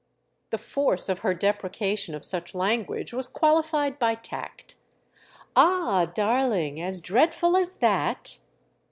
The force of her deprecation of such language was qualified by tact. "Ah, darling, as dreadful as that?"